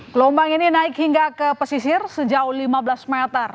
gelombang ini naik hingga ke pesisir sejauh lima belas meter